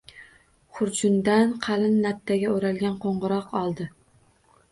Xurjundan qalin lattaga o‘ralgan qo‘ng‘iroq oldi